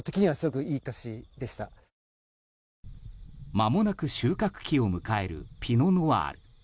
まもなく収穫期を迎えるピノ・ノワール。